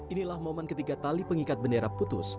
inilah momen ketika tali pengikat bendera putus